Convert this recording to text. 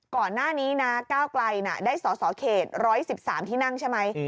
ก่อนหน้านี้นะก้าวไกลได้สอสอเขต๑๑๓ที่นั่งใช่ไหม